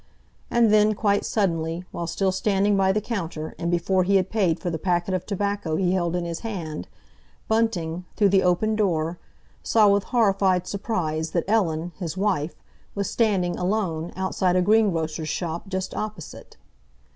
And then, quite suddenly, while still standing by the counter, and before he had paid for the packet of tobacco he held in his hand, Bunting, through the open door, saw with horrified surprise that Ellen, his wife, was standing, alone, outside a greengrocer's shop just opposite.